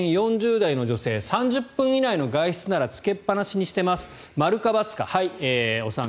４０代の女性３０分以内の外出ならつけっぱなしにしています○か×か。